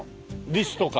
リスとか？